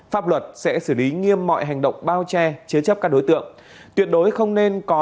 pháp luật sẽ xử lý nghiêm mọi hành động bao che chế chấp các đối tượng tuyệt đối không nên có